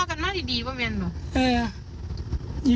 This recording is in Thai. หาร์นธินวะ